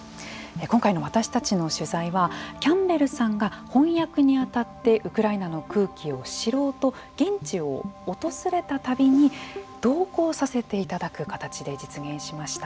今回の私たちの取材はキャンベルさんが翻訳に当たってウクライナの空気を知ろうと現地を訪れた旅に同行させていただく形で実現しました。